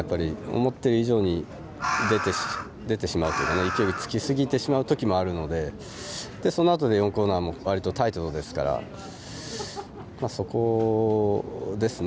思ってる以上に出てしまうというかね勢いつきすぎてしまうときもあるのでそのあとで４コーナーもわりとタイトですからそこですね。